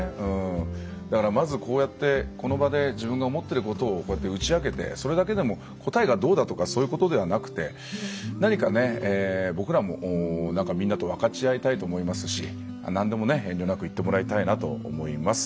まず、こうやってこの場で自分が思ってることを打ち明けてそれだけでも、答えがどうだとかそういうことではなくて何か僕らもみんなと分かち合いたいと思いますし、なんでも遠慮なく言ってもらいたいなと思います。